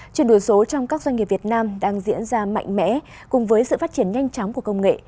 chuyển đổi số trong các doanh nghiệp việt nam đang diễn ra mạnh mẽ cùng với sự phát triển nhanh chóng của công nghệ